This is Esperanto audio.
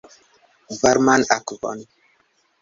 Varman akvon!